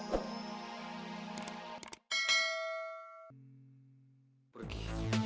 aku pasti kembali lagi